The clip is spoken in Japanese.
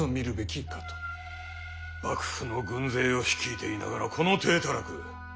幕府の軍勢を率いていながらこの体たらく。